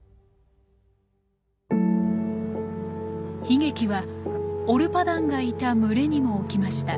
悲劇はオルパダンがいた群れにも起きました。